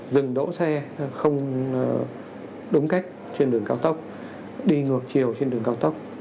dừng đỗ xe không đúng cách trên đường cao tốc đi ngược chiều trên đường cao tốc